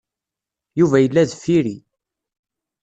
Yuba yella deffir-i.